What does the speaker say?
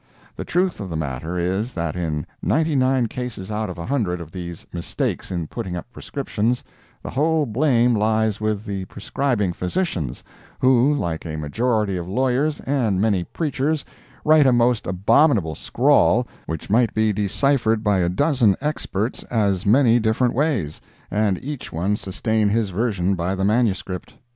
The truth of the matter is, that in ninety nine cases out of a hundred of these mistakes in putting up prescriptions, the whole blame lies with the prescribing physicians, who, like a majority of lawyers, and many preachers, write a most abominable scrawl, which might be deciphered by a dozen experts as many different ways, and each one sustain his version by the manuscript.